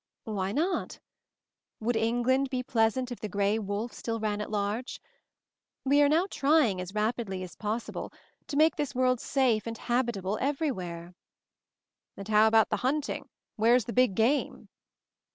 "Why not? Would England be pleasant if the gray wolf still ran at large? We are now trying, as rapidly as possible, to make this world safe and habitable every where." 148 MOVING THE MOUNTAIN "And how about the hunting? Where's the big game?"